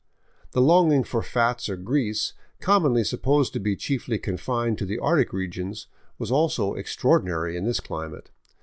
The longing for fats or grease, commonly supposed to be chiefly confined to the arctic regions, was also extraordinary in this climate.